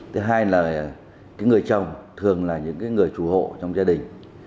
thứ hai là người chồng thường là những người chủ hộ trong gia đình